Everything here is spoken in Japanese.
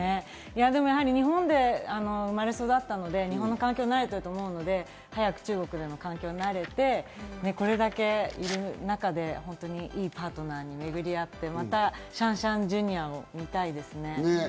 やはり日本で生まれ育ったので、日本の環境に慣れてると思うので、早く中国での環境に慣れて、これだけいる中で、いいパートナーにめぐり合って、またシャンシャンジュニアを見たいですね。